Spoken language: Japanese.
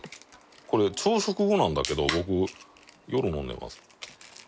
これ朝食後なんだけどぼく夜飲んでます。